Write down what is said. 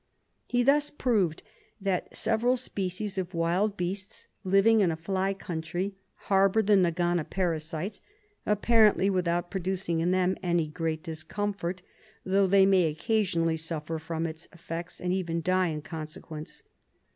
He thus proved that several species of wild beasts, living in a fly country, harbour the nagana parasites, apparently without producing in them any great discomfort, though they may occasionally suffer from its effects and even die in consequence.